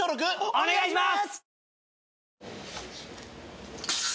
お願いします！